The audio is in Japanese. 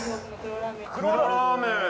黒ラーメン。